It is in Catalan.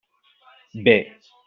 Bé.